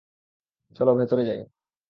চলো ভেতরে যাই।